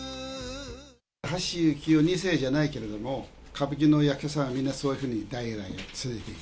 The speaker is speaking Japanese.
橋幸夫２世じゃないけれども、歌舞伎の役者さん、みんなそういうふうに代々継いでいく。